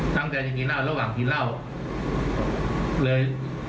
ตั้งใจจะกินเล่าหรือว่าอยากกินเล่าเหล่า